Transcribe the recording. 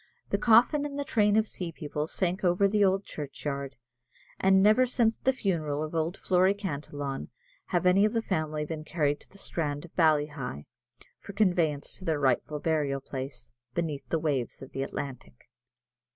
The coffin and the train of sea people sank over the old churchyard, and never since the funeral of old Flory Cantillon have any of the family been carried to the strand of Ballyheigh, for conveyance to their rightful burial place, beneath the waves of the Atlantic.